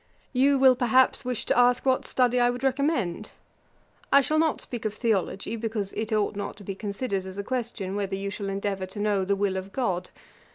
'You will, perhaps, wish to ask, what study I would recommend. I shall not speak of theology, because it ought not to be considered as a question whether you shall endeavour to know the will of GOD.